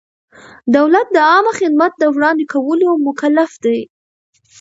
دولت د عامه خدمت د وړاندې کولو مکلف دی.